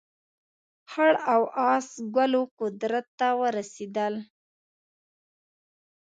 خړ او اس ګلو قدرت ته ورسېدل.